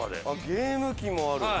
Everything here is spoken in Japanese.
「ゲーム機もある」